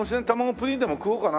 プリンでも食おうかな。